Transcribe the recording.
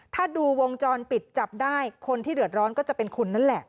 ถ้าดูวงจรปิดจับได้คนที่เดือดร้อนก็จะเป็นคุณนั่นแหละ